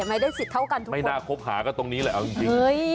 ไม่น่าคบหาก็ตรงนี้เลย